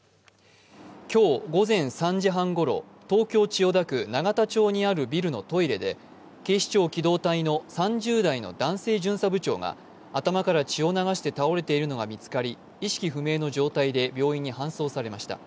今日午前３時半ごろ、東京・千代田区永田町にあるビルのトイレで警視庁機動隊の３０代の男性巡査部長が頭から血を流しているのが見つかり意識不明の状態で病院に搬送されました。